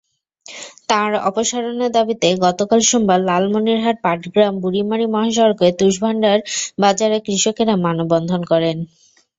তাঁর অপসারণের দাবিতে গতকাল সোমবার লালমনিরহাট-পাটগ্রাম-বুড়িমারী মহাসড়কের তুষভান্ডার বাজারে কৃষকেরা মানববন্ধন করেন।